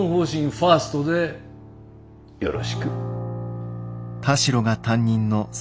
ファーストでよろしく。